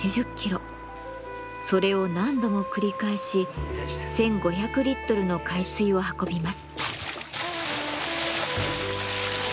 それを何度も繰り返し１，５００リットルの海水を運びます。